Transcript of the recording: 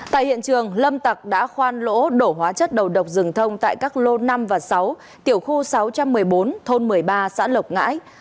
tại hiện trường lâm tạc đã khoan lỗ đổ hóa chất đầu độc rừng thông tại các lô năm và sáu tiểu khu sáu trăm một mươi bốn thôn một mươi ba xã lộc ngãi